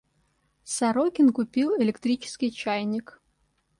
Сорокин купил электрический чайник.